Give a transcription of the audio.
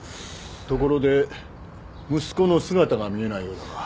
ところで息子の姿が見えないようだが。